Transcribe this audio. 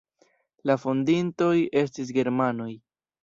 La fondintoj estis germanoj.